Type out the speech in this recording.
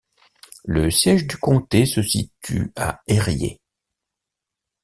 Le siège du comté se situe à Érié.